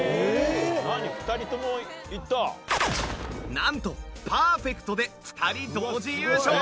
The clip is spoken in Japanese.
なんとパーフェクトで２人同時優勝